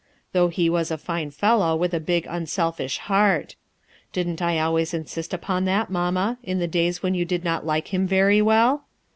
Though he was a fine fellow with a big unselfish heart. Didn't I always insist upon that, mamma, in the days when you did not like him very well?